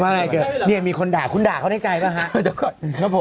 ว่าอะไรเกิดนี่มีคนด่าคุณด่าเขาในใจป่ะฮะ